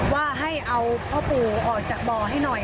ว่าให้เอาพ่อปู่ออกจากบ่อให้หน่อย